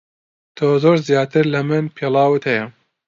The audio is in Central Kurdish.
تۆ زۆر زیاتر لە من پێڵاوت ھەیە.